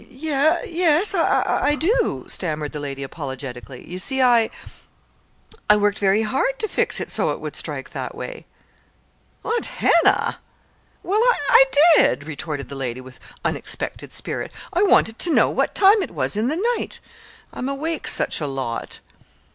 "Y yes, I do," stammered the lady, apologetically. "You see, I I worked very hard to fix it so it would strike that way." "Aunt Hannah!" "Well, I did," retorted the lady, with unexpected spirit. "I wanted to know what time it was in the night I'm awake such a lot."